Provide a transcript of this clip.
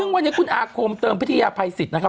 ซึ่งวันนี้คุณอาคมเติมพิทยาภัยสิทธิ์นะครับ